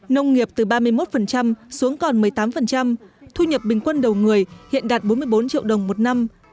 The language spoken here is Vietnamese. nông nghiệp từ ba mươi một xuống còn một mươi tám thu nhập bình quân đầu người hiện đạt bốn mươi bốn triệu đồng một năm